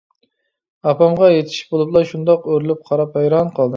ئاپامغا يېتىشىپ بولۇپلا شۇنداق ئۆرۈلۈپ قاراپ ھەيران قالدىم.